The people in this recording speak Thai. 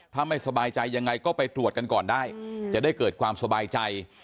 ถ้าไม่สบายใจยังไงก็ไปตรวจกันก่อนได้จะได้เกิดความสบายใจ